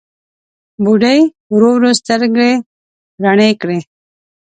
بوډۍ ورو ورو سترګې رڼې کړې.